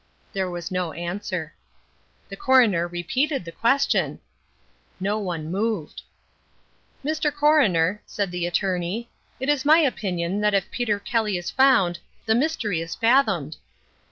There was no answer. The coroner repeated the question. No one moved. "Mr. Coroner," said the attorney, "it is my opinion that if Peter Kelly is found the mystery is fathomed."